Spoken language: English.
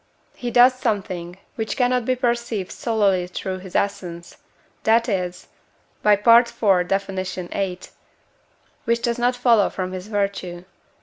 he does something, which cannot be perceived solely through his essence, that is (by IV. Def. viii.), which does not follow from his virtue.